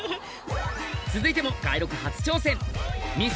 続いても街録初挑戦ミス